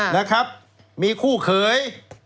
นะครับมีคู่เขย